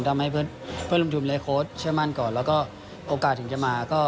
ทำให้เพื่อนร่วมทีมเลยโค้ชเชื่อมั่นก่อนแล้วก็โอกาสถึงจะมา